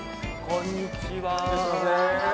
こんにちは